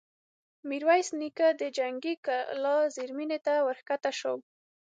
ميرويس نيکه د جنګي کلا زېرزميني ته ور کښه شو.